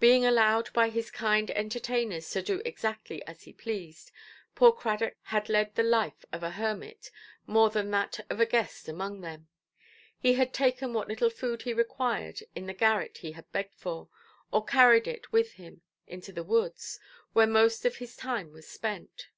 Being allowed by his kind entertainers to do exactly as he pleased, poor Cradock had led the life of a hermit more than that of a guest among them. He had taken what little food he required in the garret he had begged for, or carried it with him into the woods, where most of his time was spent.